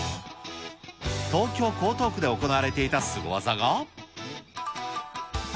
東京・江東区で行われていたスゴ技が。